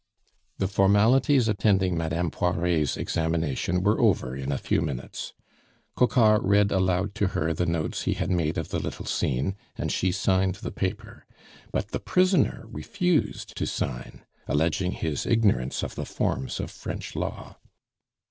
The formalities attending Madame Poiret's examination were over in a few minutes; Coquart read aloud to her the notes he had made of the little scene, and she signed the paper; but the prisoner refused to sign, alleging his ignorance of the forms of French law.